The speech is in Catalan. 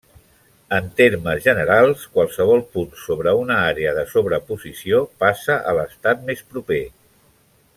En termes generals, qualsevol punt sobre una àrea de sobreposició passa a l'Estat més proper.